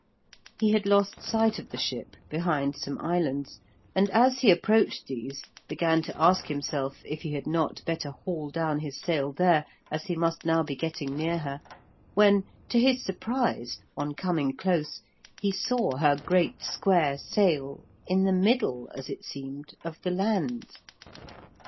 He had lost sight of the ship behind some islands, and as he approached these, began to ask himself if he had not better haul down his sail there, as he must now be getting near her, when to his surprise, on coming close, he saw her great square sail in the middle, as it seemed, of the land.